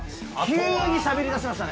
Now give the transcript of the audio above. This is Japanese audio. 急にしゃべりだしましたね。